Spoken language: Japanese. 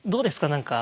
何か。